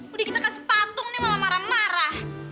udah kita kasih patung nih malah marah marah